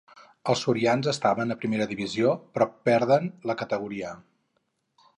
Els sorians estaven a Primera divisió, però perden la categoria.